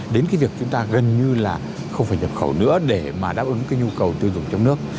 đến việc chúng ta gần như không phải nhập khẩu nữa để đáp ứng nhu cầu tiêu dùng trong nước